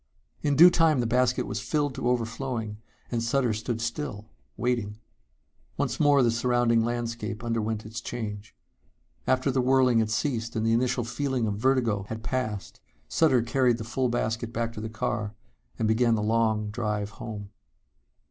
In due time the basket was filled to overflowing and Sutter stood still, waiting. Once more the surrounding landscape underwent its change. After the whirling had ceased and the initial feeling of vertigo had passed Sutter carried the full basket back to the car and began the long drive home.